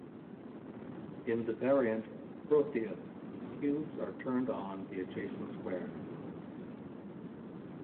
In the variant Protheus cubes are turned on the adjacent squares.